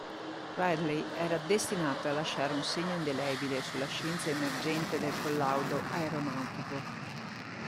Ridley era destinato a lasciare un segno indelebile sulla scienza emergente del collaudo aeronautico.